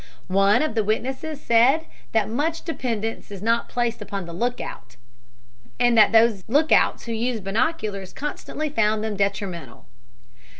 One of the witnesses said that much dependence is not placed upon the lookout, and that those lookouts who used binoculars constantly found them detrimental.